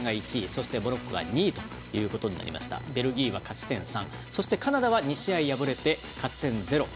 そしてモロッコが２位となりましたベルギーは勝ち点３そして、カナダは２試合敗れて勝ち点０。